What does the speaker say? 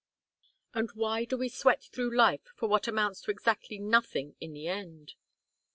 And why do we sweat through life for what amounts to exactly nothing in the end?'"